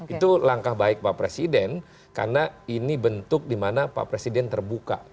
itu langkah baik pak presiden karena ini bentuk dimana pak presiden terbuka